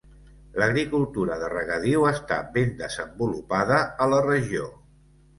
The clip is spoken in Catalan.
L'agricultura de regadiu està ben desenvolupada a la regió.